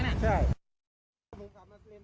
นี่ขนลุกเลยใช่ไหมใช่